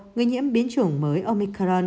người nhiễm biến chủng mới omicron